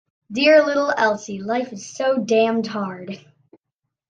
Dear little Elsie, life is so damned hard.